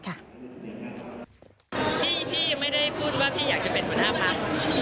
พี่ไม่ได้พูดว่าพี่อยากจะเป็นหัวหน้าพัก